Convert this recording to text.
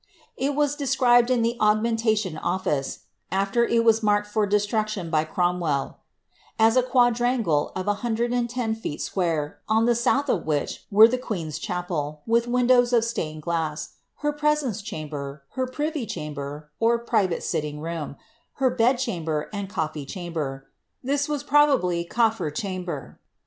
^ It was described in the Augmen tation Office (after it was marked for destruction by Cromwell) as a quadrangle of a hundred and ten feet square, on the south of which were the queen's chapel, with windows of stained glass, her presence chanober, her privy cliamber (private sitting room), her bed chamber, and co^ee chamber, (this was probably cofier chamber.)